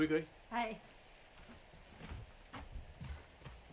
はい！